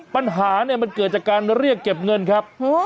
ปัญหาเนี่ยมันเกิดจากการเรียกเก็บเงินครับ